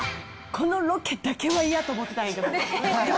このロケだけは嫌と思ってたんやけど。